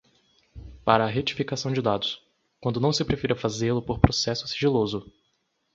para a retificação de dados, quando não se prefira fazê-lo por processo sigiloso